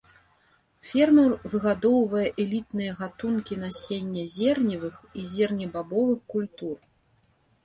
Фермер выгадоўвае элітныя гатункі насення зерневых і зернебабовых культур.